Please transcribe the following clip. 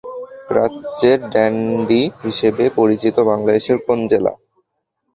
প্রাচ্যের ডান্ডি হিসেবে পরিচিত বাংলাদেশের কোন জেলা?